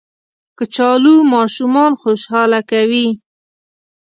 کچالو ماشومان خوشحاله کوي